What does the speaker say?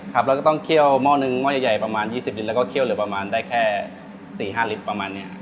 เราก็ต้องเคี่ยวหม้อหนึ่งหม้อใหญ่ประมาณ๒๐ลิตรแล้วก็เคี่ยวเหลือประมาณได้แค่๔๕ลิตรประมาณนี้ครับ